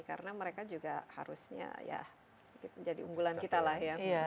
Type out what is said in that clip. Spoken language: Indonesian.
karena mereka juga harusnya jadi unggulan kita lah ya